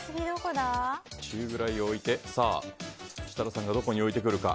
中ぐらいを置いて設楽さんがどこに置いてくるか。